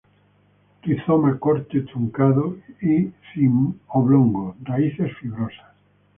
Rizoma corto y truncado u oblongo; raíces fibrosas.